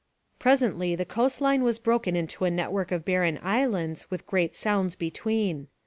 Presently the coast line was broken into a network of barren islands with great sounds between.